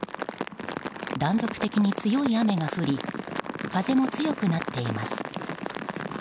断続的に強い雨が降り風も強くなっています。